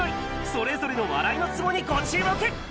それぞれの笑いのつぼにご注目。